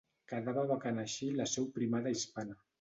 Quedava vacant així la seu primada hispana.